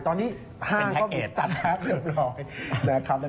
ตอนนี้ห้างก็มีจัดหักเรียบร้อย